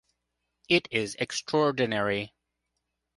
It is extraordinary.